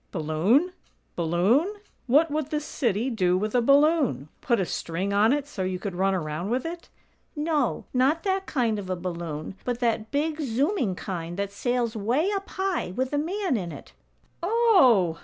"Balloon? Balloon? What would this city do with a balloon? Put a string on it so you could run around with it?" "No; not that kind of a balloon, but that big, zooming kind that sails way up high, with a man in it." "Oh!